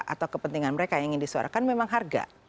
atau kepentingan mereka yang ingin disuarakan memang harga